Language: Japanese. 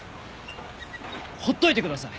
ほっといてください！